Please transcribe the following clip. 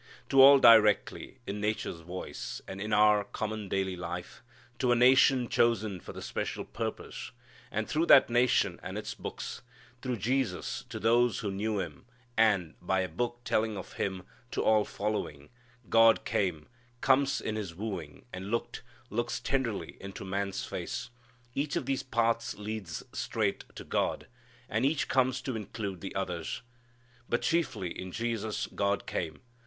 To all directly, in nature's voice, and in our common daily life; to a nation chosen for the special purpose, and through that nation and its books; through Jesus to those who knew Him, and, by a Book telling of Him, to all following, God came, comes in His wooing, and looked, looks tenderly into man's face. Each of these paths leads straight to God, and each comes to include the others. But chiefly in Jesus God came.